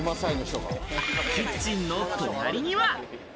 キッチンの隣には。